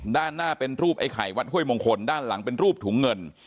ด้านหน้าเป็นรูปไอ้ไข่วัดห้วยมงคลด้านหลังเป็นรูปถุงเงิน